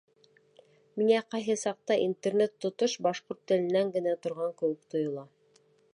Миңә ҡайһы саҡта Интернет тотош башҡорт теленән генә торған кеүек тойола.